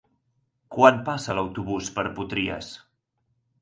Quan passa l'autobús per Potries?